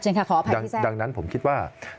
เชิญค่ะขออภัยพี่แซ่ง